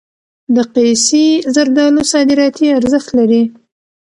د قیسی زردالو صادراتي ارزښت لري.